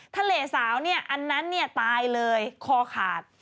ทะเลสาวเนี่ยอันนั้นตายเลยคอขาด